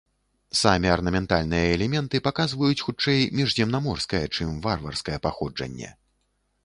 Самі арнаментальныя элементы паказваюць, хутчэй, міжземнаморскае, чым варварскае паходжанне.